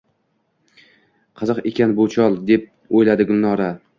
«Qiziq ekan bu chol, — deb oʼyladi Gulnora.